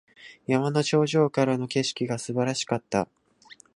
山の頂上からの景色が素晴らしかった。